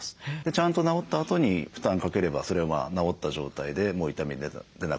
ちゃんと治ったあとに負担かければそれは治った状態でもう痛み出なくなる。